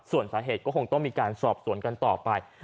ส่วนสาเหตุก็คงต้องมีการสอบสวนกันต่อไป